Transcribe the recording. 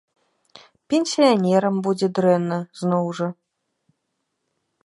Пенсіянерам будзе дрэнна, зноў жа.